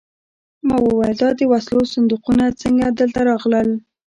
ما وویل دا د وسلو صندوقونه څنګه دلته راغلل